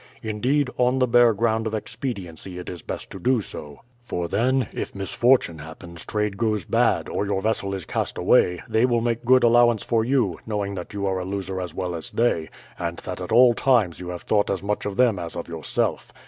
Indeed, on the bare ground of expediency it is best to do so; for then, if misfortune happens, trade goes bad, or your vessel is cast away, they will make good allowance for you, knowing that you are a loser as well as they, and that at all times you have thought as much of them as of yourself.